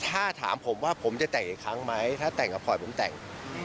ถ้าถามผมว่าผมจะแต่งอีกครั้งไหมถ้าแต่งกับพลอยผมแต่ง